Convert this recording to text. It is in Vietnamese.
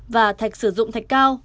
và thạch sử dụng thạch cao